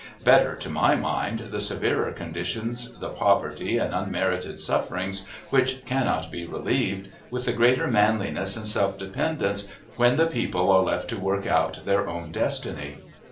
Better, to my mind, the severer conditions, the poverty and unmerited sufferings which cannot be relieved, with the greater manliness and self dependence when the people are left to work out their own destiny.